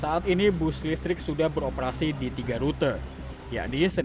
saat ini bus listrik sudah beroperasi di tiga rute yaitu senen blok m tanah abang blok m dan tebet karet